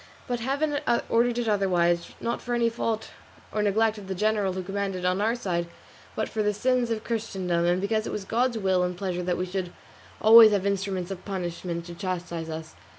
But Heaven ordered it otherwise, not for any fault or neglect of the general who commanded on our side, but for the sins of Christendom, and because it was God's will and pleasure that we should always have instruments of punishment to chastise us.